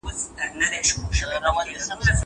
زه پاکوالي ساتلي دي.